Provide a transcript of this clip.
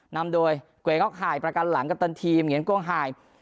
นำโดยเกวยออกหายประกันหลังกัปตันทีมเหงียนโกงหาย